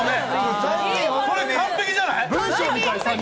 これ完璧じゃない？